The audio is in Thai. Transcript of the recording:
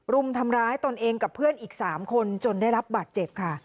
รุมทำร้ายตนเองกับเพื่อนอีก๓คนจนได้รับบาดเจ็บค่ะ